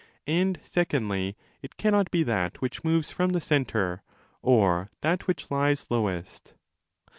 And, secondly, it cannot be that which moves from the centre or that which lies lowest.